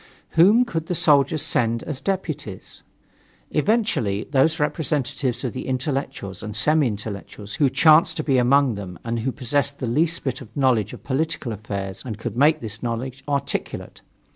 Whom could the soldiers send as deputies? Eventually, those representatives of the intellectuals and semi intellectuals who chanced to be among them and who possessed the least bit of knowledge of political affairs and could make this knowledge articulate.